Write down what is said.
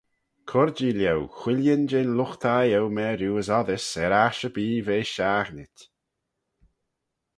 Cur-jee lhieu whilleen jeh'n lught-thie eu meriu as oddys er aght erbee ve shaghnit.